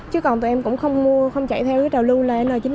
chứ còn tụi em cũng không mua không chạy theo cái trào lưu là n chín mươi năm